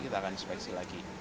kita akan inspeksi lagi